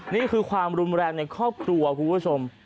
นี่คือความรุนแรงในครอบครัวคุณผู้ชม